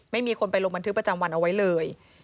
ไม่มีคนไปลงบันทึกประจำวันเอาไว้เลย